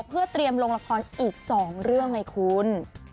เพื่อเตรียมลงละครอีก๒เรื่องไงคุณ